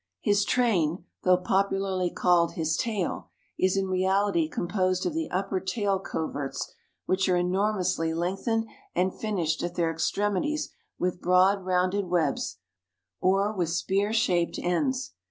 His train, though popularly called his tail, is in reality composed of the upper tail coverts, which are enormously lengthened and finished at their extremities with broad, rounded webs, or with spear shaped ends.